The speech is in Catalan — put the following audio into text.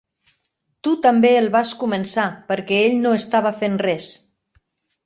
Tu també el vas començar, perquè ell no estava fent res.